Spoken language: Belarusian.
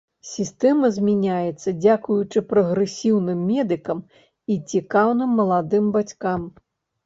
Сістэма змяняецца, дзякуючы прагрэсіўным медыкам і цікаўным маладым бацькам.